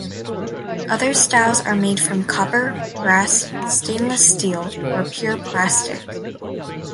Other styles are made from copper, brass, stainless steel, or pure plastic.